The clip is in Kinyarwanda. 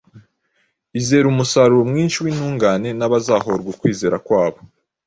izera umusaruro mwinshi w’intungane n’abazahorwa ukwizera kwabo.